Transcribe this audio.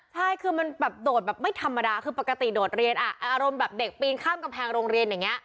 ใช่คือมันแบบโดดแบบไม่ธรรมดาคือปกติโดดเรียนอ่ะอารมณ์แบบเด็กปีนข้ามกำแพงโรงเรียนอย่างนี้